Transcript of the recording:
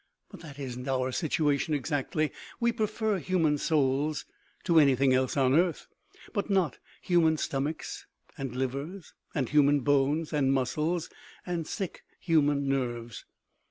But that isn't our situation exactly. We prefer human souls to anything else on earth, but not human stomachs and livers and human bones and muscles and sick human nerves.